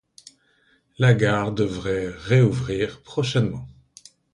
La gare devrait rouvrir prochainement.